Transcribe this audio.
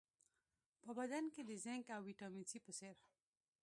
په بدن کې د زېنک او ویټامین سي په څېر